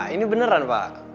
ini beneran pak